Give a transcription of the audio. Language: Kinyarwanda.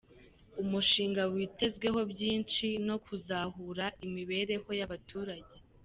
Umushinga witezweho byinshi no kuzahura imibereho y’abaturage .